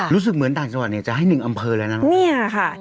รู้สึกเหมือนต่างจังหวัดจะให้๑อำเภอเลยนะ